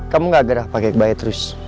kamu gak gerah pakai bayi terus